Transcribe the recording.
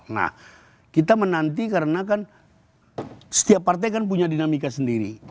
nah kita menanti karena kan setiap partai kan punya dinamika sendiri